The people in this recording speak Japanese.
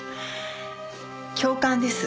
共感です。